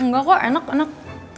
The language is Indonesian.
enggak kok enak enak